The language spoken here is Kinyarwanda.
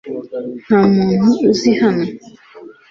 Nta muntu nzi hano .